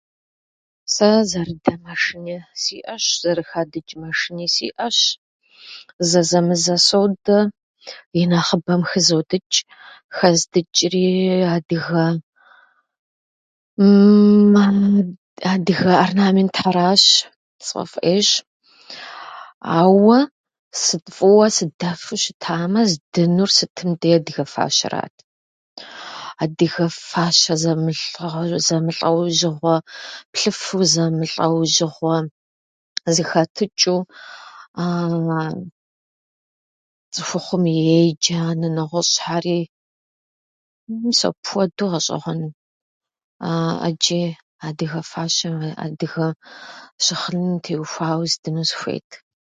Сэ зэрыдэ мэшыни сиӏэщ, зэрыхадычӏ мэшини сиӏэщ. Зэзэмызэ содэ, и нэхъыбэм хызодычӏ. Хэздычӏри адыгэ- адыгэ ӏэрнаментхьэращ, сфӏэфӏ ӏейщ. Ауэ сы- фӏыуэ сыдэфу щытамэ, здынур сытым деи, адыгэ фащэрэт. Адыгэ фащэ зэмылъэу- зэмылӏэужьыгъуэ, плъыфэу зэмылӏэужьыгъуэ зыхэтычӏэу. Цӏыхухъум ей - джанэ нэгъуэщӏхьэри. Мис апхуэду гъэщӏэгъуэну ӏэджи адыгэ фащэм, адыгэ щыгъыным теухуауэ здыну сыхуейт.